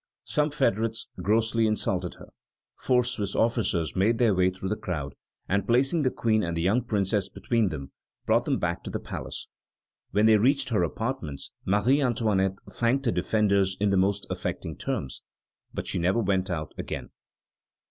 Some federates grossly insulted her. Four Swiss officers made their way through the crowd, and placing the Queen and the young Princess between them, brought them back to the palace. When she reached her apartments, Marie Antoinette thanked her defenders in the most affecting terms, but she never went out again.